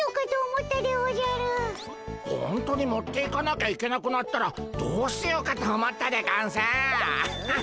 ほんとに持っていかなきゃいけなくなったらどうしようかと思ったでゴンス。